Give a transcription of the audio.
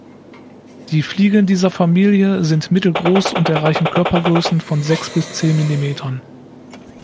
Die Fliegen dieser Familie sind mittelgroß und erreichen Körpergrößen von sechs bis zehn Millimetern.